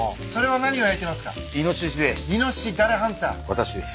私です。